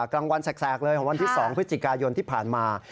กลางวันแสกเลยของวันที่๒พฤศจิกายนที่ผ่านมา